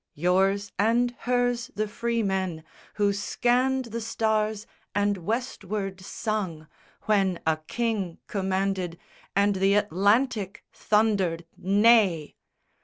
III Yours and hers the free men Who scanned the stars and westward sung When a king commanded and the Atlantic thundered "Nay!"